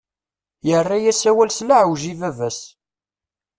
Yerra-yas awal s leɛweǧ i baba-s.